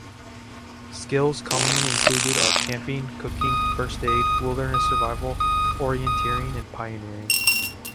Skills commonly included are camping, cooking, first aid, wilderness survival, orienteering and pioneering.